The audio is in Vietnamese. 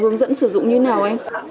hướng dẫn sử dụng như thế nào anh